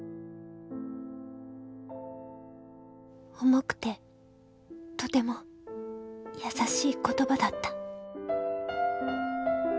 「重くてとても優しい言葉だった」。